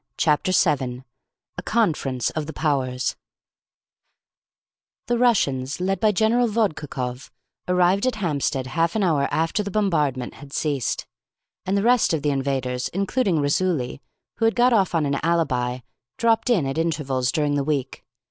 Chapter 7 A CONFERENCE OF THE POWERS The Russians, led by General Vodkakoff, arrived at Hampstead half an hour after the bombardment had ceased, and the rest of the invaders, including Raisuli, who had got off on an alibi, dropped in at intervals during the week.